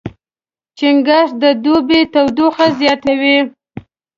چنګاښ د دوبي تودوخه زیاتوي.